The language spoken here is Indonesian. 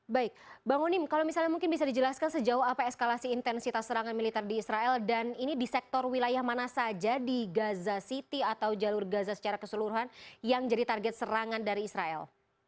baik bang onim kalau misalnya mungkin bisa dijelaskan sejauh apa eskalasi intensitas serangan militer di israel dan ini di sektor wilayah mana saja di gaza city atau jalur gaza secara keseluruhan yang jadi target serangan dari israel